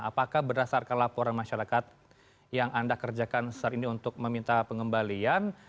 apakah berdasarkan laporan masyarakat yang anda kerjakan saat ini untuk meminta pengembalian